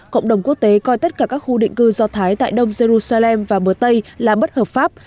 cộng đồng quốc tế coi tất cả các khu định cư giao thái tại đông giê ru sa lem và bờ tây là bất hợp pháp